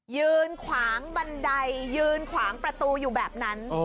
ยืนขวางบันไดยืนขวางประตูอยู่แบบนั้น